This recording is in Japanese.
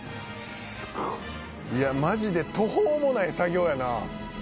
「いやマジで途方もない作業やな」